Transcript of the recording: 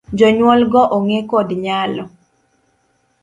Jonyuol go ong'e kod nyalo.